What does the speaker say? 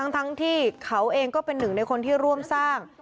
ทั้งที่เขาเองก็เป็นหนึ่งในคนที่ร่วมสร้าง